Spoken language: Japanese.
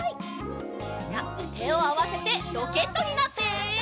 じゃてをあわせてロケットになって。